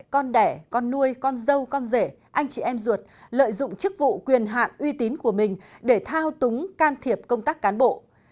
con đẻ con nuôi con dâu con rể anh chị em ruột lợi dụng chức vụ quyền hạn uy tín của mình để thao túng can thiệp công tác cán bộ